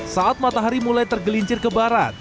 saat matahari mulai tergelincir ke barat